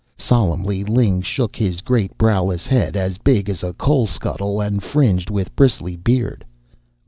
Solemnly Ling shook his great browless head, as big as a coal scuttle and fringed with bristly beard.